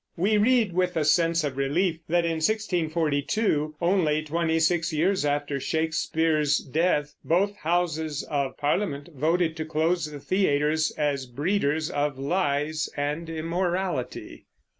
We read with a sense of relief that in 1642, only twenty six years after Shakespeare's death, both houses of Parliament voted to close the theaters as breeders of lies and immorality.